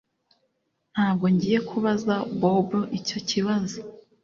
Ntabwo ngiye kubaza Bobo icyo kibazo